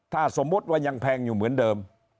ถ้าสมมุติว่ายังแพงอยู่เหมือนเดิม